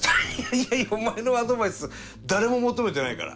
いやいやお前のアドバイス誰も求めてないから。